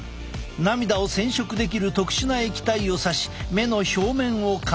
涙を染色できる特殊な液体をさし目の表面を観察する。